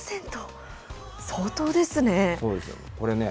相当ですね。